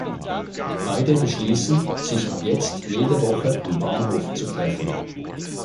Beide beschließen, sich ab jetzt jede Woche am Bahnhof zu treffen.